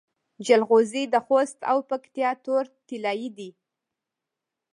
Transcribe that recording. جلغوزي د خوست او پکتیا تور طلایی دي.